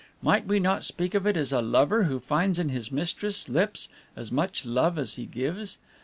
Might we not speak of it as a lover who finds on his mistress' lips as much love as he gives?